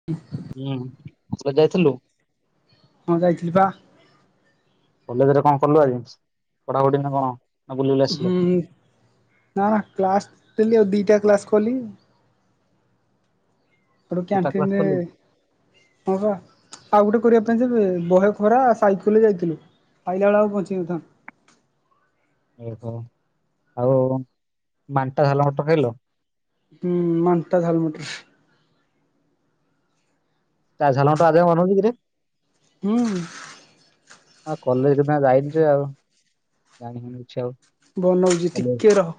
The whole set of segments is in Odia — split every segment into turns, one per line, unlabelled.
[inaudible]
ଉମ [unintelligible] ଯାଇଥିଲୁ।
ହଁ ଯାଇଥିଲି ପା।
କଲେଜରେ କଣ କଲୁ ଆଜି, ପଢାପଢି ନା କଣ? ନା ବୁଲି ବୁଲି ଆସିଲ
ହୁଁ ନା କ୍ଲାସ ଦେଲି ଆଉ ଦିଟା କ୍ଲାସ କଲି। ସେଟୁ
ଗୀତା କ୍ଲାସ
କ୍ୟାଣ୍ଟିନରେ
କଲୁ
ପୋହ ଆଉ ଗୋଟେ କରିବା ପାଇଁ ଦେବେ ବହେ ଖରା ସାଇକେଲରେ ଯାଇଥିଲୁ, ଆଇଲା ବେଳେ ଆଉ ବଞ୍ଚି ନଥାନ୍ତି।
ଓହୋ ଆଉ ମାଣ୍ଟା ଝାଲ ମଟର ଖାଇଲ।
ହୁଁ ମାଣ୍ଟା ଝାଲ ମଟର।
ତା ଝାଲ ମଟର ଆଜି ଆଉ ବନଉଛି କିରେ।
ହୁଁ ହୁଁ।
ହଁ କଲେଜ [unintelligible] ଯାଇନି ସେ ଜାଣିନି କିଛି ଆଉ।
ବନଉଛି ଟିକେ ରହ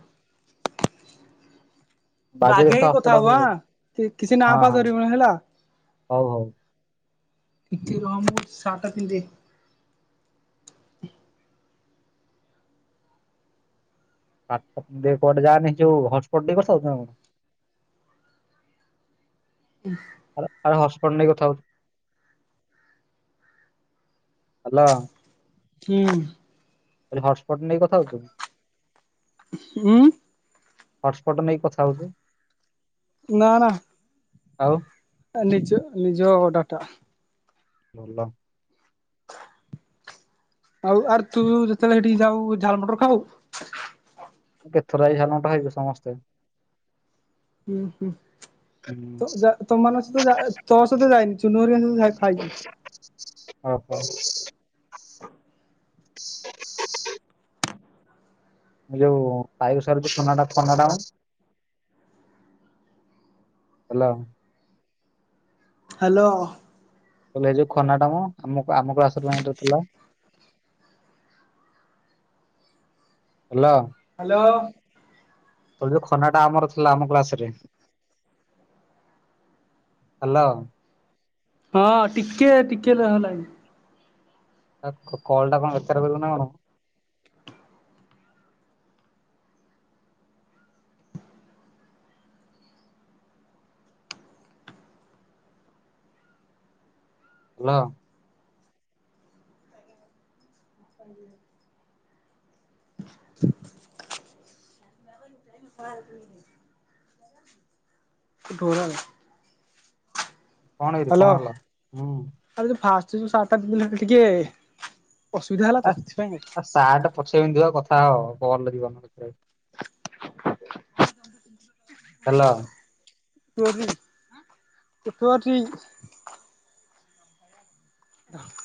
ରଖିଥା
ବାଗେଇ
ହଟସ୍ପଟ
କଥା ହବୁ
ଆଉ।
ଆଁ କି କିଛି ନାଁ
ହଁ
ଫାଁ
ହଁ
ଧରିବୁନି ହେଲା।
ହଉ ହଉ।
ଟିକେ ରହ ମୁ ସାର୍ଟଟା ପିନ୍ଧିଦିଏ।
[unintelligible] କୁଆଡେ ଯାଆନି ଯୋଉ ହଟସ୍ପଟ ନେଇକି କଥା ହେବୁ ନା କଣ।
[inaudible]
ଆରେ ଆରେ ମୁଁ ହଟ୍ସପଟ ନେଇ କଥା ହଉଛି, ହାଲୋ।
ହୁଁ।
ହଟସ୍ପଟ ନେଇ କଥା ହଉଛୁ,
ଉଁ
ହଟସ୍ପଟ ନେଇ କ
ନା, ନା।
ଆଉ
ତା ନିଜ ନିଜ ଡାଟା।
ଭଲ।
ଆଉ ଆର୍ ତୁ ଯେତେବେଳେ ସେଠିକି ଯାଉ ଝାଲ ମଟର ଖାଉ?
କେତେଥର ଯାଇ ଝାଲ ମଟର ଖାଇଛୁ ସମସ୍ତେ।
ହୁଁ, ହୁଁ।
ହୁଁ
ତୋମାନଙ୍କ ସହିତ ତୋ ସହିତ ଯାଇନି ଚୁନହରିଆଙ୍କ ସହିତ ଯାଇ ଖାଇଛି।
ଓହୋ। ଯୋଉ [unintelligible] ହେଲା।
ହ୍ୟାଲୋ।
ମୁଁ କହିଲି ଏଇ ଯୋଉ ଖନାଟା ମ ଆମ ଆମ କ୍ଲାସ ର ଥିଲା। ହେଲା।
ହ୍ୟାଲୋ।
ତୋର ଯୋଉ ଖନା ଟା ଆମର ଥିଲା ଆମ କ୍ଲାସ ରେ। ହ୍ୟାଲୋ।
ହଁ, ଟିକେ ଟିକେ, ରହ ଲାଇନ୍।
କଲ ଟା କଣ ବେକାର କରିବୁ ନା କଣ? ହାଲୋ।
[inaudible] [unintelligible]
କଣ କିରେ କଣ ହେଲା ହୁଁ?
ଆ ଯୋଉ ଫାଷ୍ଟ ଯୋଉ ସଟା ଦିନ ଟିକେ ଅସୁବିଧା ହେଲା ତ ସେଥିପାଇଁ।
ସାର୍ ଟା ପଛେଇ ପିନ୍ଧିବ କଥା ହୋ କଲ ଲାଗିବ ହେଲୋ।
[unintelligible] [unintelligible]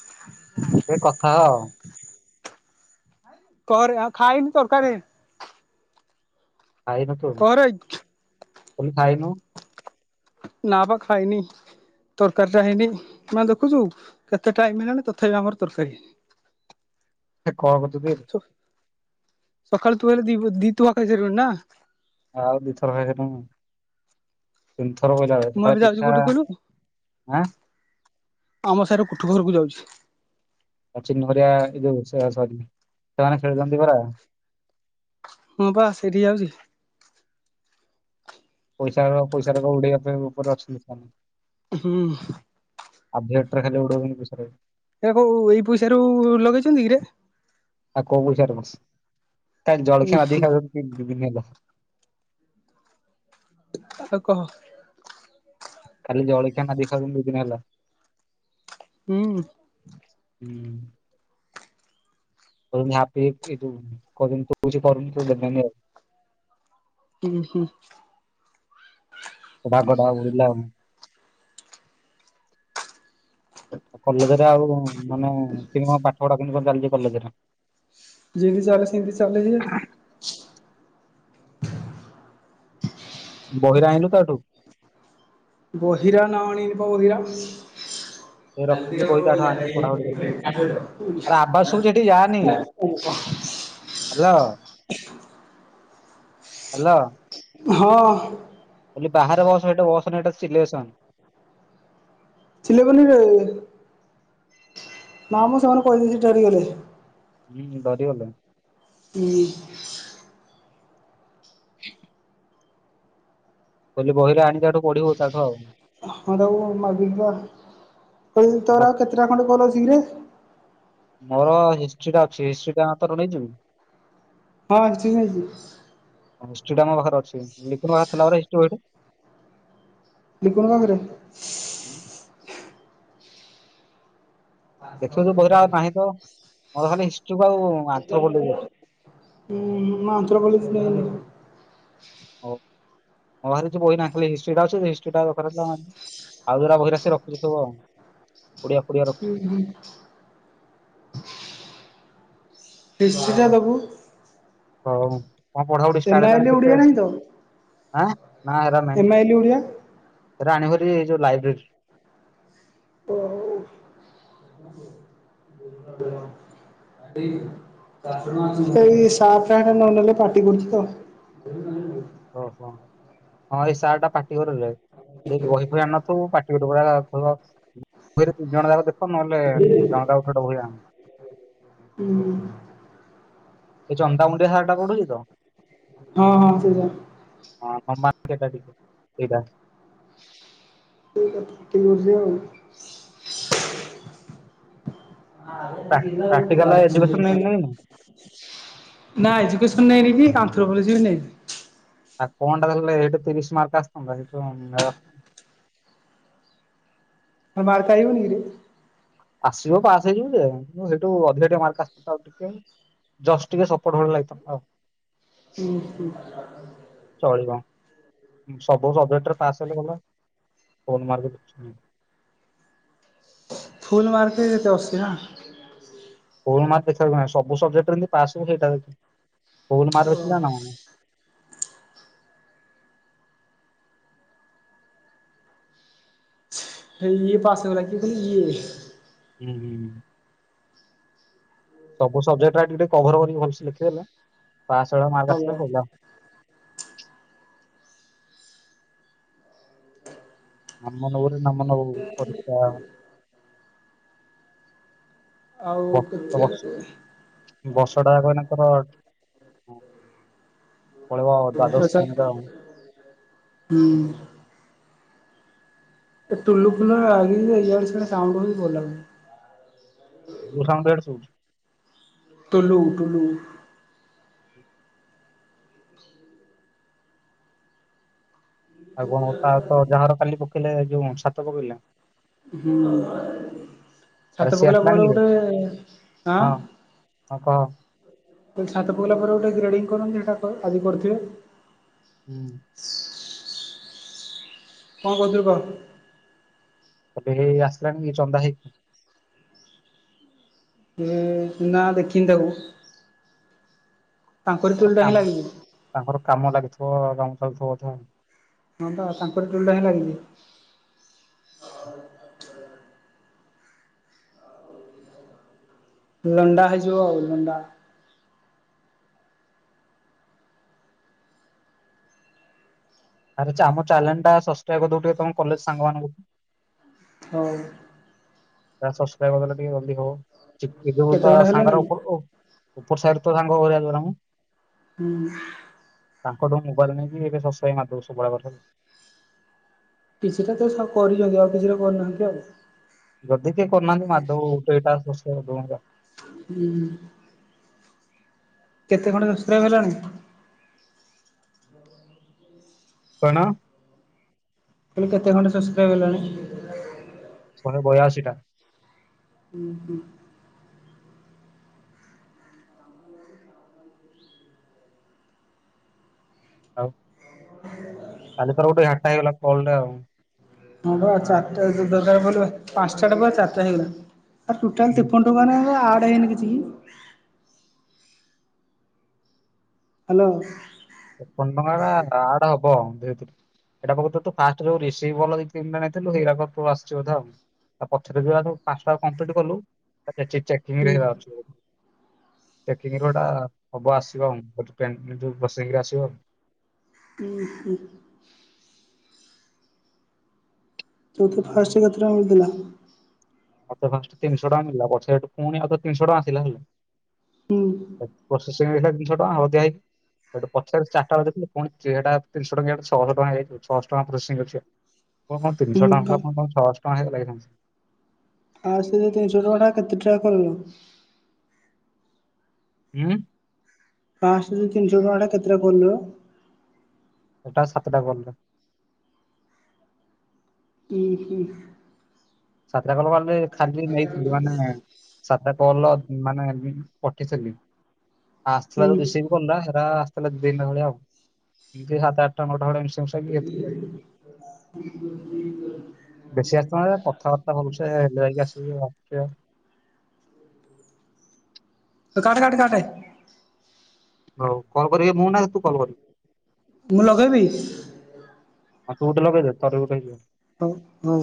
ଏ କଥା ହୋ।
କହରେ ଆଉ ଖାଇନି ତରକାରୀ।
ଖାଇନୁ ତୁ,
କହରେ
ମୁଁ କହିଲି ଖାଇନୁ?
ନା ପା ଖାଇନି। ତରକାରୀ ଟା ହେଇନି ମାନେ ଦେଖୁଛୁ କେତେ ଟାଇମ ହେଲାଣି ତଥାପି ଆମର ତରକାରୀ ହେଇନି। [inaudible]
ସେ କଣ କରୁଛନ୍ତିି କି?
ସକାଳେ ତୁ ହେଲେ ଦି ଦିତୁହା ଖାଇ ସାରିଲୁଣି ନା?
ଆଉ ଦିଥର ଖାଇସାରିଲିନି। ତିନି ଥର କହିଲା କଥା,
ମୁଁ ଏବେ
ସକାଳେ
ଯାଉଛି
ପିଠା
କୋଉଠି କହିଲୁ
ଆଁ
ଆମ ସାର କୁଠି ଫରକୁ ଯାଉଛି।
ସଚିନ ହେରିଆ ଏ ଯୋଉ ସରି ସେମାନେ ଖେଳୁଛନ୍ତି ପରା।
ହଁ ପା ସେଇଠି ଯାଉଛି।
ପଇସା ପଇସା ର ଉଡେଇବା ଉପରେ ଅଛନ୍ତି ଲୋକ।
ହୁଁ।
ଆଧୀ [unintelligible] ଖାଲି ଉଡୋଉଚନି ପଇସାଉରା କୁ।
ହେଆ କୁ ଏଇ ପଇସା ରୁ ଲଗେଇଛନ୍ତି କିରେ?
ଆଉ କୋଉ ପଇସାରୁ, ତା
ଉଁ
ଜଳଖିଆ
ହୁଁ
[unintelligible]
ଆଉ କହ।
ଖାଲି ଜଳଖିଆ ନାଦିକି ଖାଉଛନ୍ତି ଦି ଦିନ ହେଲା।
ହୁଁ।
ହୁଁ। କହୁଚନ୍ତି ହାପି ହେଇକି ତୁ କହୁଛନ୍ତି ତୁ କିଛି କରୁନୁ [unintelligible]
ଉଁ ହୁଁ।
[unintelligible] ଆଉ କଲେଜରେ ଆଉ ମାନେ କେନୀ କ ପାଠ ପଢା, କେମିତି କଣ ଚାଲିଛି କଲେଜରେ?
ଯେମତି ଚାଲେ ସେତି ଚାଲଛି।
ବହିରା ଆଣିଲୁ ତାଠୁ?
ବହିରା ନାଁ ଆଣିନି ପା ବହିରା।
ଏ ରଖିଛି ବହି ତାଠୁ ଆଣିକି ପଢାପଢି କରିବୁ ଆରେ ଆବାଜ ଶୁଭୁଛି
[unintelligible]
ହାଲୋ, ହାଲୋ।
ହଁ।
କହିଲି ବାହାରେ ବସ, ହେଟି ବସନି ଏଟା ସିଲେସନ୍।
ଚିଲି ପନିର ରେ। ନା, ମୁଁ ସେମାନେଙ୍କୁ କହିଦେଇଛି ଠେରିଗଲେ।
ହୁଁ, ଡରିଗଲେ।
ହୁଁ।
[inaudible] କହିଲି ବହିରା ଆଣି ତାଠୁ ପଢିବୁ ତାଠୁ ଆଉ।
ହଁ ତାକୁ ମାଗିକ ଆଣ, ହେଇ ତୋର ଆଉ କେତେଟା ଖଣ୍ଡେ କଲ ଅଛି କିରେ?
ମୋର ହିଷ୍ଟ୍ରି ଟା ଅଛି, ହିଷ୍ଟ୍ରି ଟା ତୋର ନେଇଯିବୁ?
ହଁ, ହିଷ୍ଟ୍ରି ନେଇଯିବି।
ହିଷ୍ଟ୍ରି ଟା ମୋ ପାଖରେ ଅଛି, ଲିପୁନ ପାଖରେ ଥିଲା ପରା ହିଷ୍ଟ୍ରି ବହି ଟା।
ଲପୁନ ପାଖରେ?
ଦେଖିଲୁନୁ ବହିରା ଆଉ ନାହିଁ ତ, ମୋର ଖାଲି ହିଷ୍ଟ୍ରି କୁ ଆଉ ଆନ୍ଥ୍ରୋପୋଲୋଜି ଅଛି।
ଉଁ ମୁଁ ଆନ୍ଥ୍ରୋପୋଲୋଜି ନେଇନି।
ହଉ, ମୋ ପାଖରେ କିଛି ବହି ନାହିଁ, ଖାଲି ହିଷ୍ଟ୍ରି ଟା ଅଛି, ଯଦି ହିଷ୍ଟ୍ରି ଟା ଦକାର ହେଲା ମାଗିବୁ। ଆଉ ଯୋରା ବହିରା ରଖୁଚି ସବୁ ଆଉ, ଓଡିଆ ଫୋଡିଆ ରଖୁଛି ସବୁ।
[inaudible] ହିଷ୍ଟ୍ରି ଟା ଦବୁ।
ହଉ, କଁ ପଢା ପଢି
ଏମ୍
ଷ୍ଟାର୍ଟ
ଆଇ ଏଲ୍
ହେଲାଣି କେତେ?
ଓଡ଼ିଆ ନାହିଁ ତ
ଆଁ, ନା ଏରା ନାଇଁ,
ଏମ୍ ଆଇ ଏଲ୍ ଓଡ଼ିଆ।
ଏରା ଆଣିବୁହେରି ଏଇ ଯୋଉ ଲାଇବ୍ରେରୀ ରୁ।
ଓ ହଉ। [unintelligible] [unintelligible] [unintelligible] ଏଇ ସାର୍ ଟା ହେଟା ନ ନେଲେ ପାଟି କରୁଛି ତ। [unintelligible]
ଓହୋ। ହଁ ଏଇ ସାର୍ ଟା ପାଟି କରରେ, ଯଦି ବହି ଫହି ଆଣ ନଥିବ ପାଟି କରିବ, [unintelligible] ଘରେ ଦିଜଣ ଯାକ ଦେଖ, ନହେଲେ ଜଣକା ଗୁଟେ ଗୁଟେ ବହି ଆଣ।
ଉ ହୁଁ ହୁଁ।
ଏ ଚନ୍ଦାମୁଣ୍ଡିଆ ସାରଟା ପଢୁଛି ତ?
ହଁ ହଁ ସେ ଯା
ହଁ ହଁ ମାର୍ତେ ଏଟା ଟିକେ ହେଇଟା
[unintelligible]
ପ୍ରାକ୍ଟିକାଲ ଏଜୁକେସନ ନେଇନି
[inaudible] ନାଁ, ଏଜୁକସନ ନେଇଁନି କି ଆନ୍ଥ୍ରୋପୋଲୋଜି ବି ନେଇନି।
ଆ କଣଟା ତାଳେ ଏଟେ ତିରିଶ ମାର୍କ ଆସିଥାନ୍ତା ସେଇଥି
ମୋର ମାର୍କ ଆଇବନି କିିରେ?
ଆସିବ ପାସ୍ ହେଇଯିବୁ ଜେ, କିନ୍ତୁ ହେଠୁ ଅଧିକାଟିକେ ମାର୍କ ଆସିତାତା ଆଉ ଟିକେ। ଜଷ୍ଟ ଟିକେ ସପୋର୍ଟ ଭଳି ଲାଗିଥାନ୍ତା ଆଉ।
ହୁଁ ହୁଁ।
ଚଳିବ ସବୁ ସବଜେକ୍ଟରେ ପାସ୍ ହେଲେ ଗଲା। [inaudible]
ଫୁଲ ମାର୍କେ ତେ ଅସିନା?
ଫୁଲମାର୍କେ ଦେଖିବାର ନାଇଁ ସବୁ ସବଜେକ୍ଟ ରେ ଜିନ୍ତି ପାସ ହବ ସେଇଟା ଦେଖିବୁ ଫୁଲ ମାର୍କ ଅସିଥାନ୍ତା
ଓହୋ।
ନା କଣ?
ହେ ହିଏ ପାସ କଲା କିଏ କହିଲୁ ଇଏ?
ହୁଁ ହୁଁଁ। ସବୁ ସବଜେକ୍ଟାରା ଟିକେ କଭର କରିକି ଭଲସେ ଲେଖି ଦେଲେ ପାସ୍ ଭଳିଆ ମାର୍କ
ହବ
ଆସିଲେ ହେଲା। ନାମ ନବୁରେ ନାମ ନବୁ ପରିକ୍ଷା।
ଆଉ
ବର୍ଷ
କେତେ?
ବର୍ଷଟା ଜାକ ଏଇନା ତର ପଳେଇବ ଦ୍ଵାଦଶ ଶ୍ରେଣୀରେ ଆଉ।
ହୁଁ। ଏ ଟୁଲୁ ଫୁଲୁ ଲାଗିନି ଜେ ଇଆଡେ ସିଆଡେ କାମ କରିକି ଭଲ ଲାଗୁନି।
ମୋ ସାଉଣ୍ଡ ୟାଡେ ଶୁଭୁଚି।
ଟୁଲୁ ଟୁଲୁ।
ଆଉ କଣ ତା ତ ଅଜାଘର କାଲି ପକେଇଲେ ଯୋଉ ଛାତ ପକେଇଲେ?
ହୁଁ
ଆରେ
ଛାତ
ସିଏ
ପକେଇଲା
ଆସିଲାଣି
ପରେ
କି?
ଗୁଟେ ଆଁ
ହଁ ହଁ କହ?
କହିଲି ଛାତ ପକେଇଲା ପରେ ଗୋଟେ ଗ୍ରେଡ଼ିଙ୍ଗଂ କରନ୍ତି ହେଟା ଆଜି କରିଥିବେ?
ହୁଁ।
କଣ କହୁଥିଲୁ କହ?
କହିଲି ହେଇ ଆସିଲାଣି କି ଚନ୍ଦା ହେଇକି?
ନା ଦେଖିନି ତାକୁ ତାଙ୍କର
ମୋର
ତୁଲଟା
କାମ
ହେଁଲା କି?
ତାଙ୍କର କାମ ଲାଗିଥିବ ଗଁ ସୁଥିବ କଥା [inaudible]
ହଁ ବା ତାଙ୍କର ଟୁଲଟା ହିଁ ଲାଗିଛି। ଲଣ୍ଡା ହେଇଯିବ ଆଉ ଲଣ୍ଡା।
ଆରେ ଚା ଆମ ଚ୍ୟାନେଲଟା ସସକ୍ରାଇବ କରିଦେବୁ ତମ କଲେଜ ସାଙ୍ଗମାନଙ୍କଠୁ।
ହଉ।
ଏହା ସସକ୍ରାଇବ କରିଦଲେ ଟିକେ ଜଲଦି ହବ ଚିପକେଇଦେବୁ
କେତେ
ତ
ଘଣ୍ଟା ହେଲାଣି
ସାଙ୍ଗର ଉ ଉପର ସାହିଠେ ତ ସାଙ୍ଗଗୁରା ଜଉରା ମ।
ହୁଁ।
ତାଙ୍କଠୋଉ ମୋବାଇଲ ନେଇକି ଏବେ ସସକ୍ରାଇବ ମାରଦବୁ ସବୁରାକ ତାହେଲେ।
କିଛିଟା ତ ସ କରିଛନ୍ତି ଆଉ କିଛିଟା କରିନାହାନ୍ତି ଆଉ।
ଯଦି କିଏ କରୁନାହାନ୍ତି ମାଧବ ଦୁଇଟା [inaudible]
ହୁଁ। କେତେ ଖଣ୍ଡେ ସସ୍କ୍ରାଇବି ହେଲାଣି?
କଣ?
କହିଲି କେତେ ଖଣ୍ଡେ ସୋସ୍କ୍ରାଇବ ହେଲାଣି?
ଶହେ ବୟାଅଶୀ ଟା।
ହୁଁ ହୁଁ।
ଆଉ କାଲି ତୋର ଗୋଟେ ହାଟଟା ହେଇଗଲା କଲ ରେ ଆଉ।
ହଁ ବା ଚାରିଟା ଦ ଦରକାର ପଇଲେ ପାଞ୍ଚଟା ଟେ ବା ଚାରିଟା ହେଇଗଲା। ଆର ଟୋଟାଲ
ହୁଁ।
ତେପନ ଟଙ୍କାରେ ଆଡ଼ ହେଇନି କିଛି କି? ହ୍ୟାଲୋ।
ତେପନ ଟଙ୍କା ଟା ଆଡ ହବ ଧିରେ ଧିରେ। ଏଇଟା ପକୃତରେ ତୁ ଫାଷ୍ଟ ଯୋଉ ରିସିଭ୍ କଲ୍ ଦି ତିନଟା ନେଇଥିଲୁ ହେଇଡାକ ଆସୁଚି ବୋଧେ। ତା ପଛରେ ଯୋଉରା ସବୁ ପାଞ୍ଚଟା କଂପ୍ଲିଟ୍ କଲୁ ଚେ ଚେକିଙ୍ଗ ହେରା ଅଛି ବୋଧେ। ଚେକିଂରୁ ହେଟା ହବ ଆସିବ [unintelligible] ପ୍ରୋସିଂ ରେ ଆସିବ।
ଉହୁଁ। ତତେ ଫାଷ୍ଟ କେତେ ଟଙ୍କା ମିଳିଥିଲା?
ମତେ ଫାଷ୍ଟ ତିନିଶହ ଟଙ୍କା ମିଳିଲା। ପଛେ ହେଟୁ ପୁଣି ଆଉଥରେ ତିନିଶହ ଟଙ୍କା ଆସିଲା।
ହୁଁ।
ପ୍ରୋସେସିଂରେ ଥିଲା ତିିନିଶହ ଟଙ୍କା ହଳଦିଆ ହେଇକ୍ ହେଟୁ ପଛରେ ଚାରିଟା ବେଳେ ଦେଖିଲି ପୁଣି ଏଟା ତିନିଶହ ଟଙ୍କିଆ ଛଅଶହ ଟଙ୍କା ହେଇଛି ଛଅଶହ ଟଙ୍କା ପ୍ରୋସେସିଂ ଅଛି। ମୋର କଣ
ହୁଁ
ତିନିଶହ
ଫା
ଟଙ୍କାଥିଲା ପୁଣି କଣ ଛଅଶହ ଟଙ୍କା ହେଇଗଲାକିରେ।
ଆଉ ସେ ତିନିଶହ ଟଙ୍କା ଟା କେତେ ଟଙ୍କା କଲୁ?
ଉଁ।
ଫାଷ୍ଟେ ଯୋଉ ତିନିଶହ ଟଙ୍କାଟା କେତେଟା କଲରୁ?
ଏଟା ସାତଟା କଲରେ।
ହୁଁ ହୁଁ।
ସାତଟା କଲ ମାନେ ଖାଲି ନେଇଥିଲି ମାନେ ସାତଟା କଲ ମାନେ ଏମି ପଟିଥିଲି। ଆଉ ଆସିଥିଲା ଯୋଉ ରିଶିଭ
ହୁଁ
କଲଟା ହେରା ଆସିଥିଲା ଦି ତିନିଟା ଭଳିଆ ଆଉ। ଏମିତି ସାତ ଆଠଟା ନଅଟା ଭଳିଆ ମିଶ୍ ମିଶିମୁସାକି ଏତିକି ଆଉ। ବେଶି ଆସିଥାନ୍ତା ପ କଥାବାର୍ତ୍ତା କରୁଛେ ହେଲେ ଯାଇକି ଆସିବା।
ତୁ କାଟେ କାଟେ କାଟେ।
ହଉ କଲ୍ କରିବି ମୁଁ ନା ତୁ କଲ୍ କରିବୁ?
ମୁଁ ଲଗେଇବି?
ହଁ ତୁ ଗୁଟେ ଲଗେଇଦେ ତୋରି ଗୁଟେ ହେଇଯିବ।
ହୁଁ ହୁଁ।